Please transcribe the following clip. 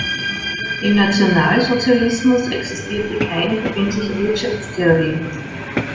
Im Nationalsozialismus existierte keine verbindliche Wirtschaftstheorie.